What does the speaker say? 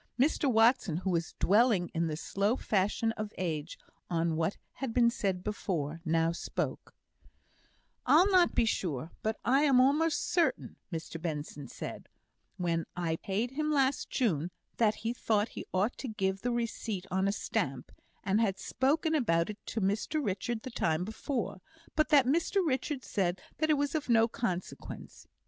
Mr Watson, who was dwelling in the slow fashion of age on what had been said before, now spoke: "I'll not be sure, but I am almost certain, Mr Benson said, when I paid him last June, that he thought he ought to give the receipt on a stamp, and had spoken about it to Mr Richard the time before, but that Mr Richard said it was of no consequence.